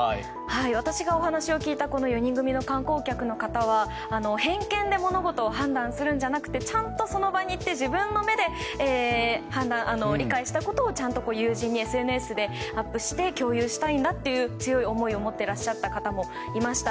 私がお話を聞いた４人組の観光客の方は偏見で物事を判断するんじゃなくてちゃんとその場に行って自分の目で理解したことをちゃんと友人にＳＮＳでアップして共有したいんだという強い思いを持っていらっしゃった方もいました。